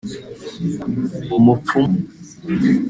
umupfumu